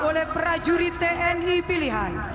oleh prajurit tni pilihan